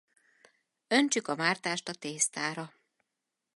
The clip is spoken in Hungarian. Öntsük a mártást a tésztára.